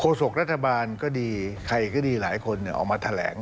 ศกรัฐบาลก็ดีใครก็ดีหลายคนออกมาแถลง